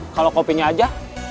kalau kopinya aja